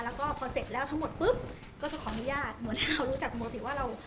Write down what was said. แล้วก็พอเสร็จแล้วทั้งหมดปุ๊บก็จะขออนุญาตเหมือนถ้าเรารู้จักปกติว่าเรา